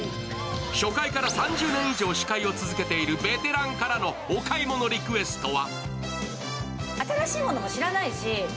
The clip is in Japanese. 初回から３０年以上、司会を続けているベテランからのお買い物リクエストは？